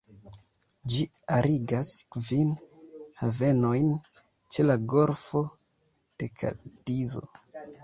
Ĝi arigas kvin havenojn ĉe la golfo de Kadizo.